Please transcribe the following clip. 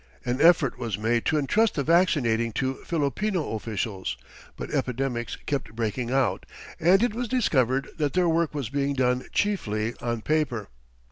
An effort was made to entrust the vaccinating to Filipino officials, but epidemics kept breaking out, and it was discovered that their work was being done chiefly on paper.